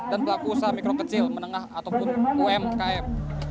dan pelaku usaha mikro kecil menengah ataupun umkm